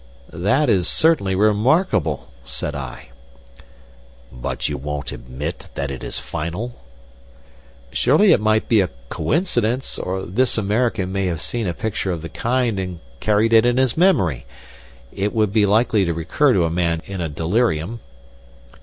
"That is certainly remarkable," said I. "But you won't admit that it is final?" "Surely it might be a coincidence, or this American may have seen a picture of the kind and carried it in his memory. It would be likely to recur to a man in a delirium."